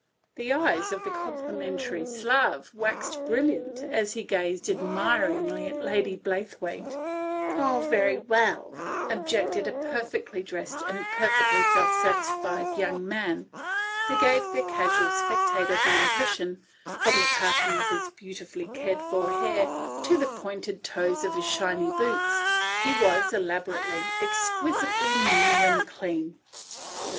The eyes of the complimentary Slav waxed brilliant as he gazed admiringly at Lady Blaythewaite. " Ugh !" objected a perfectly dressed young man, whose every sense, one could see at a glance, was satisfied, and who gave to the casual spectator the impression that, from the parting of his beautifully cared for hair to the pointed toes of his shiny boots, he was elaborately, exquisitely new and clean.